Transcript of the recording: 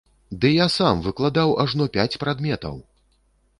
Ды я сам выкладаў ажно пяць прадметаў!